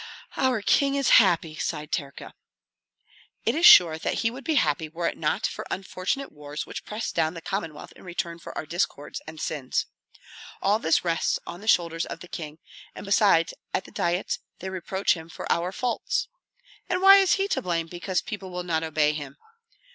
"Our king is happy!" sighed Terka. "It is sure that he would be happy were it not for unfortunate wars which press down the Commonwealth in return for our discords and sins. All this rests on the shoulders of the king, and besides at the diets they reproach him for our faults. And why is he to blame because people will not obey him?